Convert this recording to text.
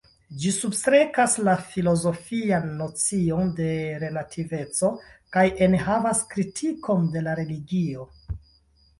Ĝi substrekas la filozofian nocion de relativeco kaj enhavas kritikon de la religio.